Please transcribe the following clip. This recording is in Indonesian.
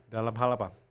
dalam hal apa